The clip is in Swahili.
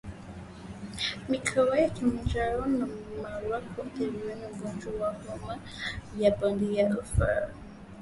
Mikoa ya Kilimanjaro na Mara huathirika na ugonjwa wa homa ya bonde la ufa